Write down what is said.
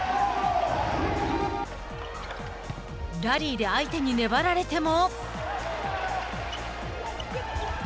ラリーで相手に粘られても。